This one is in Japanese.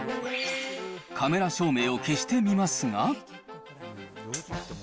カメラ照明を消してみますが。